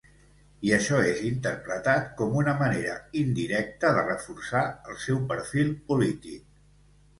I això és interpretat com una manera indirecta de reforçar el seu perfil polític.